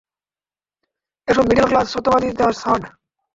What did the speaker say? এসব middle class সত্যবাদীতা ছাড়।